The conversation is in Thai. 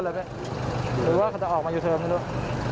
หรือว่าเขาจะออกมายูเทิร์นไม่รู้